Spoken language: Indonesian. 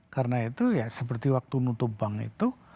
karena itu ya seperti waktu nutup bank itu